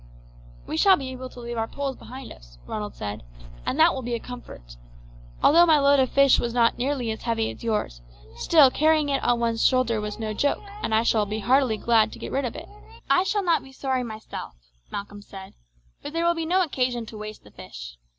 "We shall be able to leave our poles behind us," Ronald said, "and that will be a comfort. Although my load of fish was not nearly as heavy as yours, still carrying it on one shoulder was no joke, and I shall be heartily glad to get rid of it." "I shall not be sorry myself," Malcolm said; "but there will be no occasion to waste the fish.